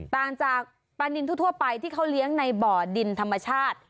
ต่างจากปลานินทั่วไปที่เขาเลี้ยงในบ่อดินธรรมชาติ